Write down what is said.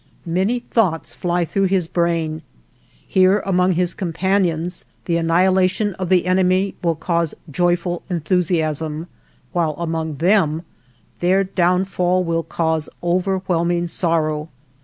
Many thoughts fly through his brain. Here, among his companions, the annihilation of the enemy will cause joyful enthusiasm, while among them their downfall will cause overwhelming sorrow.